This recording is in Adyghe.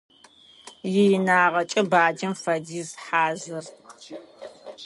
Иинагъэкӏэ баджэм фэдиз хьазыр.